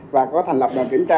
và có thành lập đoàn kiểm tra